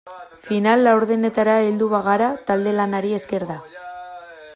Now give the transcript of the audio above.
Final laurdenetara heldu bagara talde-lanari esker da.